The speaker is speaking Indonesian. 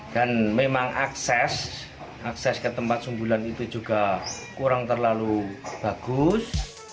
memang akses akses ke tempat sumbulan itu juga kurang terlalu bagus